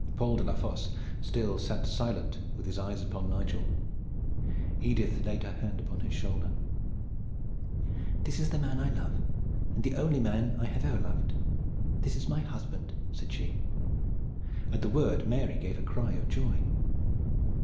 Paul de la Fosse still sat silent with his eyes upon Nigel. Edith laid her hand upon his shoulder: "This is the man I love, and the only man that I have ever loved. This is my husband," said she. At the word Mary gave a cry of joy.